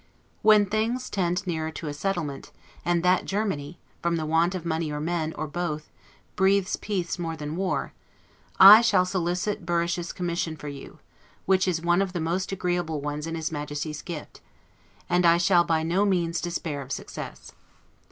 When things tend nearer to a settlement, and that Germany, from the want of money or men, or both, breathes peace more than war, I shall solicit Burrish's commission for you, which is one of the most agreeable ones in his Majesty's gift; and I shall by no means despair of success.